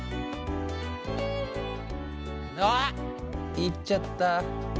いっちゃった。